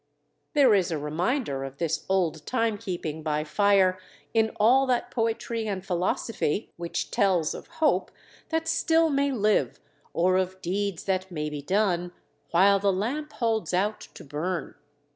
There is a reminder of this old time keeping by fire in all that poetry and philosophy which tells of hope that still may live or of deeds that maybe done, "while the lamp holds out to burn."